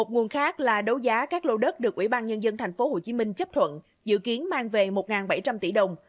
nguồn khác là đấu giá các lô đất được ủy ban nhân dân thành phố hồ chí minh chấp thuận dự kiến mang về một bảy trăm linh tỷ đồng